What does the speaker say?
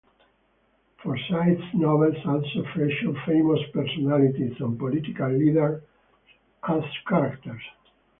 Forsyth's novels also feature famous personalities and political leaders as characters.